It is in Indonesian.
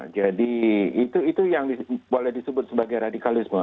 jadi itu yang boleh disebut sebagai radikalisme